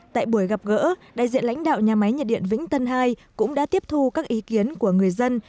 tại buổi gặp gỡ đại diện lãnh đạo nhà máy nhiệt điện vĩnh tân hai cũng đã tiếp thu các ý kiến của người dân